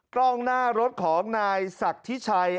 กล้องหน้ารถของนายศักดิ์ทิชัย